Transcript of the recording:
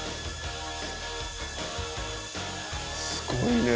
すごいね。